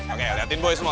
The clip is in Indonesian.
oke liatin boy semua